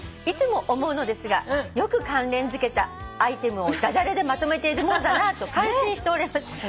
いつも思うのですがよく関連付けたアイテムを駄じゃれでまとめているもんだなと感心しております」